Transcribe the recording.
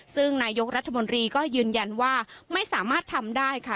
ซึ่งนายกรัฐมนตรีก็ยืนยันว่าไม่สามารถทำได้ค่ะ